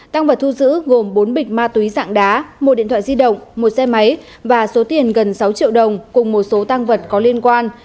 tăng vật thu giữ gồm bốn bịch ma túy dạng đá một điện thoại di động một xe máy và số tiền gần sáu triệu đồng cùng một số tăng vật có liên quan